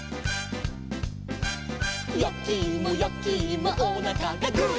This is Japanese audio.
「やきいもやきいもおなかがグー」